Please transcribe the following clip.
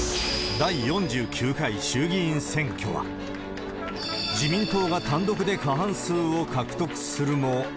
第４９回衆議院選挙は、自民党が単独で過半数を獲得するも。